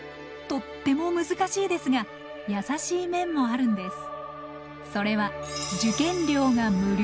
とっても難しいですが優しい面もあるんです。